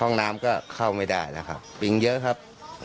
ห้องน้ำก็เข้าไม่ได้แล้วครับปิงเยอะครับ